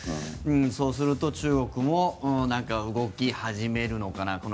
そうすると中国も動き始めるのかな